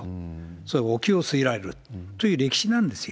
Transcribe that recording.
それ、おきゅうを据えられるという歴史なんですよ。